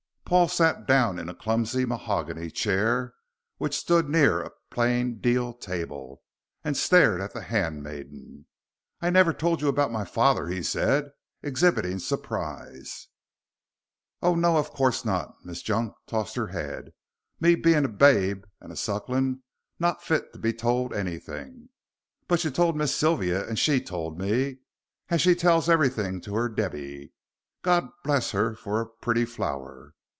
Paul sat down in a clumsy mahogany chair, which stood near a plain deal table, and stared at the handmaiden. "I never told you about my father," he said, exhibiting surprise. "Oh, no, of course not" Miss Junk tossed her head "me being a babe an' a suckling, not fit to be told anything. But you told Miss Sylvia and she told me, as she tells everything to her Debby, God bless her for a pretty flower!"